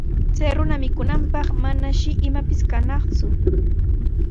Chay runa mikunanpaq manashi imapis kannaku.